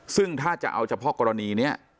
ซึ่งถ้าจะเอาเฉพาะกรณีนี้